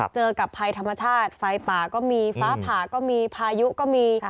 เจอกับภัยธรรมชาติไฟป่าก็มีฟ้าผ่าก็มีพายุก็มี